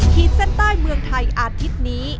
ขีดเส้นใต้เมืองไทยอาทิตย์นี้